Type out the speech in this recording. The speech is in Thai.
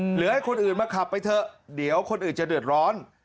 หรือให้คนอื่นมาขับไปเถอะเดี๋ยวคนอื่นจะเดือดร้อน